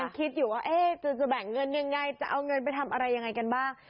คิดอยู่ว่าจะแบ่งเงินยังไงจะเอาเงินไปทำอะไรยังไงกันบ้าง